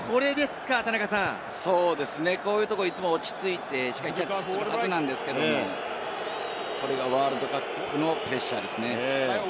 こういうところ、いつも落ち着いてしっかりキャッチするはずなんですけど、これがワールドカップのプレッシャーですね。